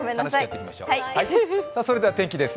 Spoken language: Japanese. それでは天気です。